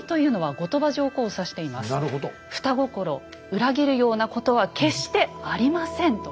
裏切るようなことは決してありませんと。